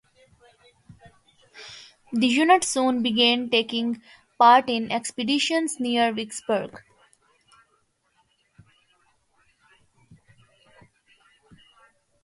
The unit soon began taking part in expeditions near Vicksburg.